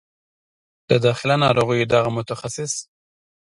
د داخله ناروغیو دغه متخصص